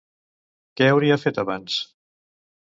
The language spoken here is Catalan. Què hauria fet abans?